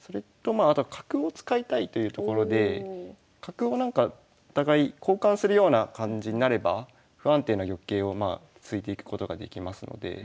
それとまああとは角を使いたいというところで角をなんかお互い交換するような感じになれば不安定な玉形を突いていくことができますので。